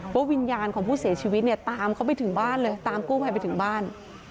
วิญญาณของผู้เสียชีวิตเนี่ยตามเขาไปถึงบ้านเลยตามกู้ภัยไปถึงบ้าน